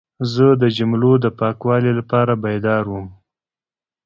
زه د جملو د پاکوالي لپاره بیدار وم.